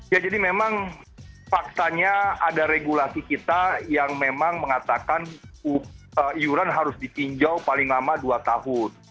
ya jadi memang faktanya ada regulasi kita yang memang mengatakan iuran harus ditinjau paling lama dua tahun